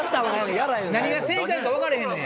何が正解か分かれへん。